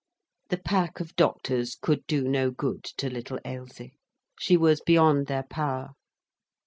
The pack of doctors could do no good to little Ailsie. She was beyond their power.